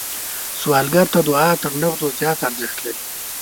سوالګر ته دعا تر نغدو زیات ارزښت لري